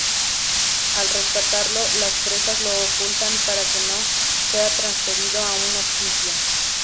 Al rescatarlo, las presas los ocultan para que no sea transferido a un hospicio.